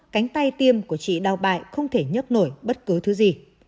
cánh tay tiêm của chị đào bại không thể nhấp nổi bất cứ thứ gì